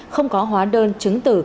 không có hóa đơn chứng từ